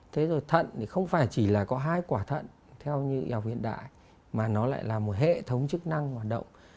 thế rồi thận thì không phải chỉ là có hai quả thận theo như y học hiện đại mà nó lại là một hệ thống chức năng hoạt động